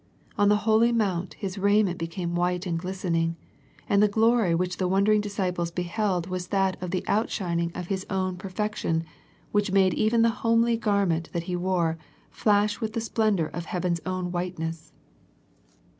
On the holy mount His raiment became white and glistening, and the glory which the wondering disciples beheld was that of the outshining of His own perfec 150 A First Century Message tion which made even the homely garment that He wore, flash with the splendour of heaven's own whiteness.